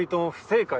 正解。